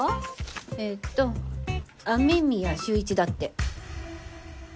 えーっと「雨宮秀一」だって。